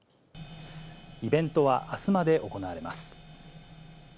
イベントはあすまで行われます。